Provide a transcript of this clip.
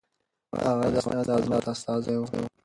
هغه د افغانستان د عظمت استازی و.